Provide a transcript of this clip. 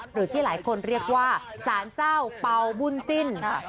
หรือที่หลายคนเรียกว่าสารเจ้าเป่าบุญจิ้น